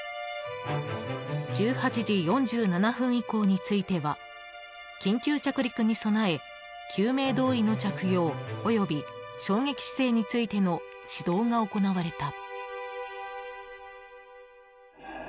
１８時４７分以降については緊急着陸に備え救命胴衣の着用及び衝撃姿勢についての指導が行われた。